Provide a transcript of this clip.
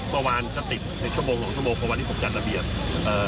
เมื่อวานก็ติดในชั่วโมงสองชั่วโมงเพราะวันที่ผมจัดระเบียบเอ่อ